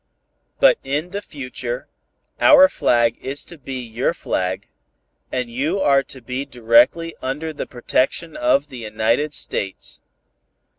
But in the future, our flag is to be your flag, and you are to be directly under the protection of the United States.